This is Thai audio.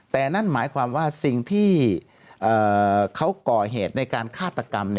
แต่นั่นหมายความว่าสิ่งที่เขาก่อเหตุในการฆาตกรรม